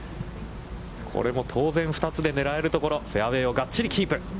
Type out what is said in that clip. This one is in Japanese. これも当然２つで狙えるところ、フェアウェイをがっちりキープ。